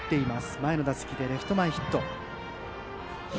前の打席でレフト前ヒット。